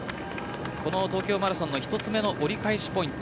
東京マラソンの１つ目の折り返しポイント